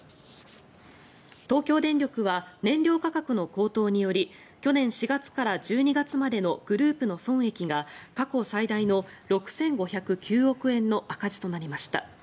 東京電力は燃料価格の高騰により去年４月から１２月までのグループの損益が過去最大の６５０９億円の赤字となりました。